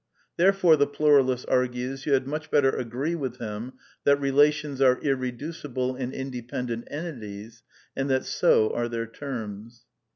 Therefore, the pluralist argues, you had |^ much better agree with him that relations are irreduciblcr —\ and independent entities, and that so are their terms.